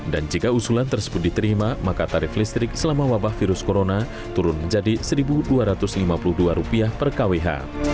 dan jika usulan tersebut diterima maka tarif listrik selama wabah virus corona turun menjadi rp satu dua ratus lima puluh dua per kwh